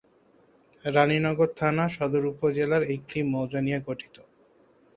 রাণীনগর থানা, সদর উপজেলার একটি মৌজা নিয়ে গঠিত।